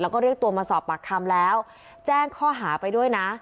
แล้วก็เรียกตัวมาสอบปากคำแล้วแจ้งข้อหาไปด้วยนะ